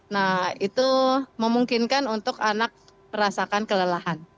nah itu memungkinkan untuk anak merasakan kelelahan